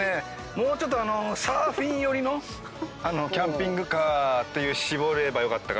もうちょっとサーフィン寄りのキャンピングカーって絞ればよかったかなと。